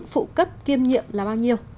phụ cấp kiêm nhiệm là bao nhiêu